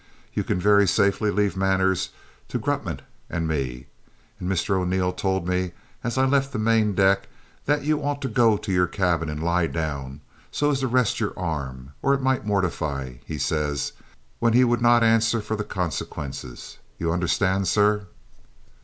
"You can very safely leave matters to Grummet and me! And Mr O'Neil told me as I left the maindeck that you ought to go to your cabin and lie down, so as to rest your arm, or it might mortify, he says, when he would not answer for the consequences, you understand, sir?"